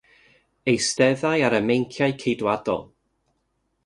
Eisteddai ar y meinciau Ceidwadol.